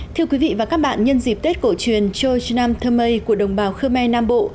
thưa quý vị và các bạn nhân dịp tết cổ truyền chorchnam thơm mây của đồng bào khmer nam bộ